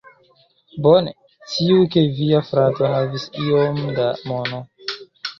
Bone, sciu ke via frato havis iom da mono